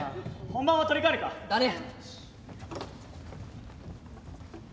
本番は取り替えるか。だね。